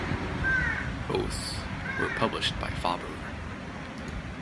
Both were published by Faber.